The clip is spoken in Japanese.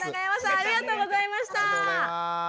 ありがとうございます。